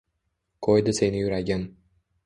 Qo’ydi seni yuragim.